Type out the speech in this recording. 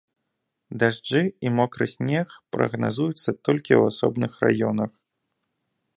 Дажджы і мокры снег прагназуюцца толькі ў асобных раёнах.